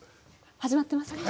始まってますか？